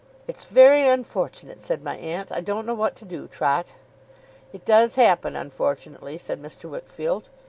'It's very unfortunate,' said my aunt. 'I don't know what to do, Trot.' 'It does happen unfortunately,' said Mr. Wickfield.